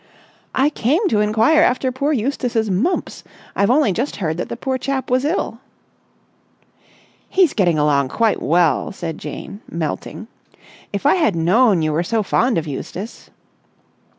"I came to inquire after poor Eustace's mumps. I've only just heard that the poor chap was ill." "He's getting along quite well," said Jane, melting. "If I had known you were so fond of Eustace...."